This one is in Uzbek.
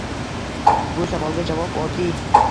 Bu savolga javob oddiy: